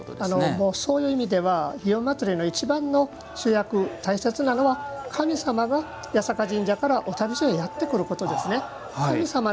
もう、そういう意味では祇園祭の一番主役大切なのは神様が八坂神社からお待ち所にやってくることですね。